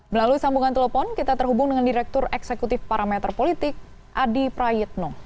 melalui sambungan telepon kita terhubung dengan direktur eksekutif parameter politik adi prayitno